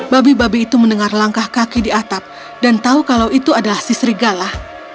babi babi itu mendengar langkah kaki di atap dan tahu kalau itu adalah si serigala